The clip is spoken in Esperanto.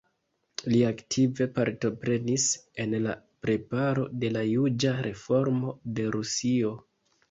Li aktive partoprenis en la preparo de la juĝa reformo de Rusio.